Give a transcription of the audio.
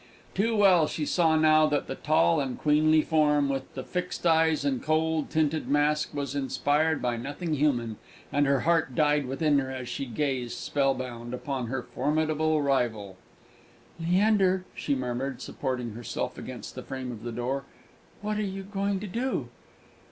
Too well she saw now that the tall and queenly form, with the fixed eyes and cold tinted mask, was inspired by nothing human; and her heart died within her as she gazed, spellbound, upon her formidable rival. "Leander," she murmured, supporting herself against the frame of the door, "what are you going to do?"